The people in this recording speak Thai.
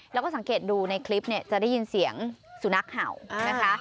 แล้วก็สังเกตดูในคลิปเนี่ยจะได้ยินเสียงสุนัขเห่านะคะ